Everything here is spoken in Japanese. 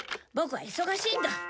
ボクは忙しいんだ。